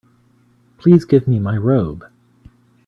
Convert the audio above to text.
Please give me my robe.